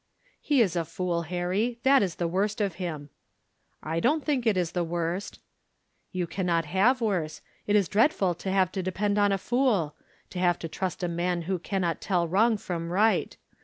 "He is a fool, Harry! That is the worst of him." "I don't think it is the worst." "You cannot have worse. It is dreadful to have to depend on a fool, to have to trust to a man who cannot tell wrong from right.